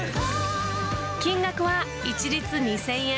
金額は一律２０００円。